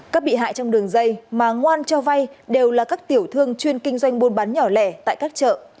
các bị hại trong đường dây mà ngoan cho vay đều là các tiểu thương chuyên kinh doanh buôn bán nhỏ lẻ tại các chợ